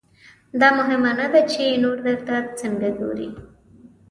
دا مهمه نه ده چې نور درته څنګه ګوري.